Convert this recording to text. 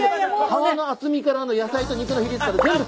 皮の厚みから野菜と肉の比率から全部。